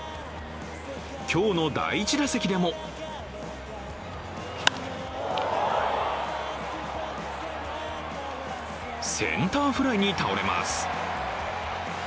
今日の第１打席でもセンターフライに倒れます。